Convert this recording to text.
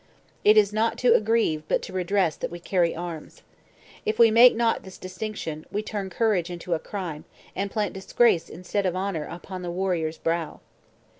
It is not to aggrieve, but to redress, that we carry arms. If we make not this distinction, we turn courage into a crime; and plant disgrace, instead of honor, upon the warrior's brow."